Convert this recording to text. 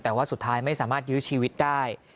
แต่ว่าสุดท้ายไม่สามารถยื้อชีวิตได้